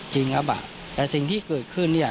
จริงครับแต่สิ่งที่เกิดขึ้นเนี่ย